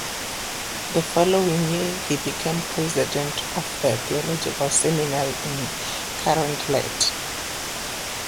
The following year he became President of the Theological Seminary in Carondelet.